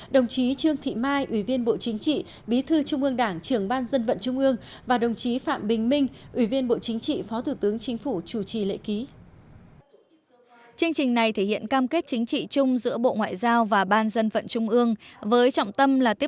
đồng chí trương thị mai ủy viên bộ chính trị bí thư trung ương đảng trưởng ban dân vận trung ương và đồng chí phạm bình minh ủy viên bộ chính trị phó thủ tướng chính phủ chủ trì lễ ký